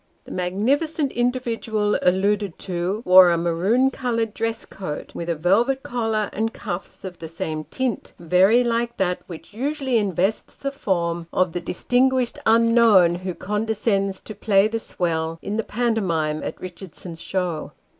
The magnificent individual alluded to wore a maroon coloured dress coat, with a velvet collar and cuffs of the same tint very like that which usually invests the form 2io Sketches by Bos. of the distinguished unknown who condescends to play the "swell" in the pantomime at " Eichardson's Show."